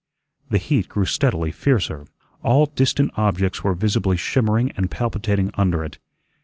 The heat grew steadily fiercer; all distant objects were visibly shimmering and palpitating under it.